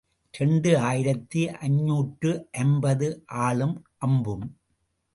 இரண்டு ஆயிரத்து ஐநூற்று ஐம்பது ஆளும் அம்பும்.